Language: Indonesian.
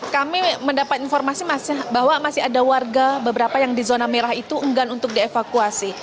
kami mendapat informasi bahwa masih ada warga beberapa yang di zona merah itu enggan untuk dievakuasi